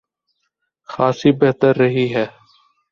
خاصی بہتر رہی ہے۔